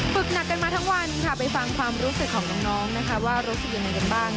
ฝึกหนักกันมาทั้งวันค่ะไปฟังความรู้สึกของน้องนะคะว่ารู้สึกยังไงกันบ้าง